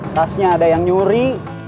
tasnya ada yang nyuri